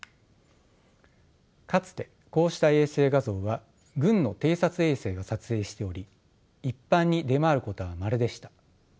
かつてこうした衛星画像は軍の偵察衛星が撮影しており一般に出回ることはまれでした。